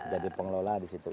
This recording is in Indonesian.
jadi pengelola disitu